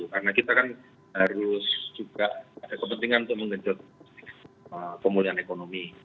karena kita kan harus juga ada kepentingan untuk menggejut pemulihan ekonomi